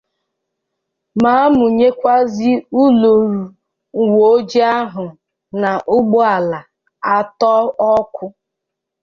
ma mụnyekwazie ụlọọrụ uweojii ahụ na ụgbọala atọ ọkụ